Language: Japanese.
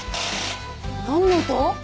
何の音？